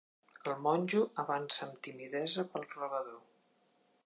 El monjo avança amb timidesa pel rebedor.